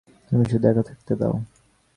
আমি শুধু একা থাকতে দাও।